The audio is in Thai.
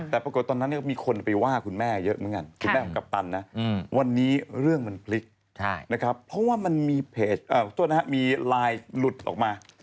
แต่ปรากฏตอนนั้นก็มีคนไปว่าคุณแม่เยอะเหมือนกันคุณแม่ของกัปตันนะวันนี้เรื่องมันพลิกนะครับเพราะว่ามันมีเพจโทษนะครับมีไลน์หลุดออกมา